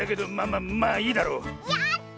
やった！